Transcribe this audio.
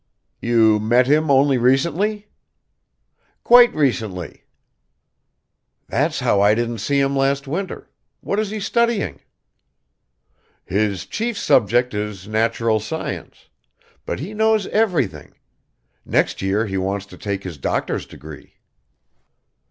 "You met him only recently?" "Quite recently." "That's how I didn't see him last winter. What is he studying?" "His chief subject is natural science. But he knows everything. Next year he wants to take his doctor's degree."